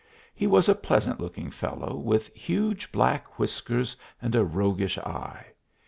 He was a pleasant looking felTow with huge black whiskers and a rogu ish eye.